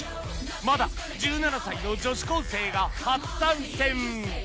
まだ１７歳の女子高生が初参戦